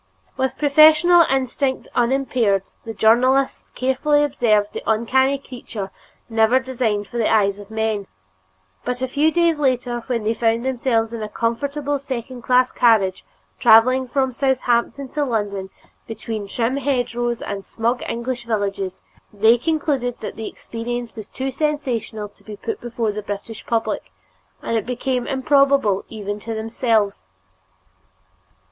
With professional instinct unimpaired, the journalists carefully observed the uncanny creature never designed for the eyes of men; but a few days later, when they found themselves in a comfortable second class carriage, traveling from Southampton to London between trim hedgerows and smug English villages, they concluded that the experience was too sensational to be put before the British public, and it became improbable even to themselves.